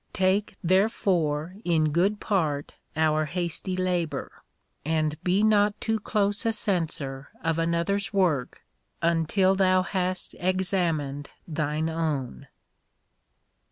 Take, therefore, in good part our hasty labour, and be not too close a censor of another's work until thou hast examined thine own.